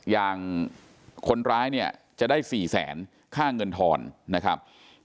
อย่างคนร้ายเนี่ยจะได้๔แสนค่าเงินทอนนะครับ